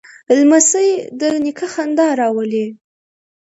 لمسی د نیکه خندا راولي.